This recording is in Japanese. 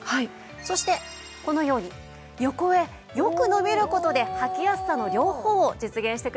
そしてこのように横へよく伸びる事ではきやすさの両方を実現してくれているんです。